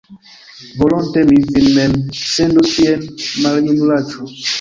Volonte mi vin mem sendus tien, maljunulaĉo!